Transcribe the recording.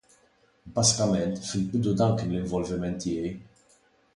Bażikament, fil-bidu dan kien l-involviment tiegħi.